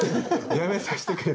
「辞めさしてくれ」